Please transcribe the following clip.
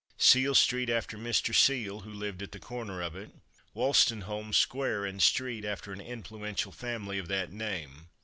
Seel street after Mr. Seel, who lived at the corner of it. Wolstenholme square and street, after an influential family of that name.